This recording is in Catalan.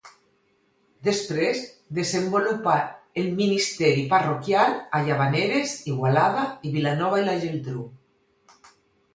Després desenvolupà el ministeri parroquial a Llavaneres, Igualada i Vilanova i la Geltrú.